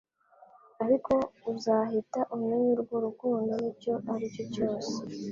Ariko uzahita umenya urwo rukundo nicyo aricyo cyose